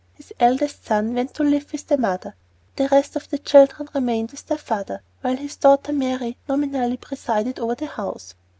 His eldest son went to live with the mother, but the rest of the children remained with their father, while his daughter Mary nominally presided over the house.